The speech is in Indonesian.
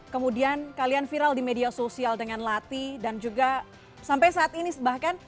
kemudian kalian viral di media sosial dengan lati dan juga sampai saat ini bahkan